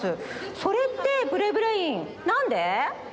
それってブレブレインなんで？